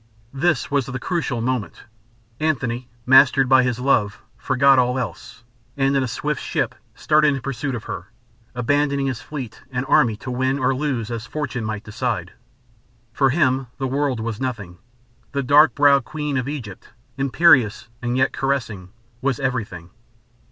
This was the crucial moment. Antony, mastered by his love, forgot all else, and in a swift ship started in pursuit of her, abandoning his fleet and army to win or lose as fortune might decide. For him the world was nothing; the dark browed Queen of Egypt, imperious and yet caressing, was everything.